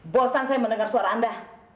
bosan saya mendengar suara anda